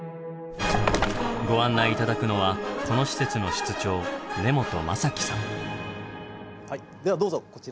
ご案内頂くのはこの施設の室長ではどうぞこちら。